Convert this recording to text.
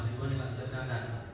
ini gue ini gak bisa dengarkan